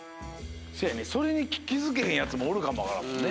それに気付けへんやつもおるかもわからんもんね。